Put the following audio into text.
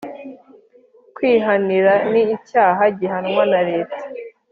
Kwihanira ni icyaha gihanirwa na leta